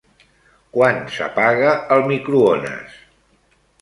Quan s'apaga el microones?